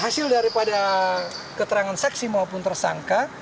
hasil daripada keterangan saksi maupun tersangka